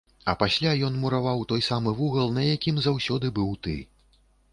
А пасля ён мураваў той самы вугал, на якім заўсёды быў ты.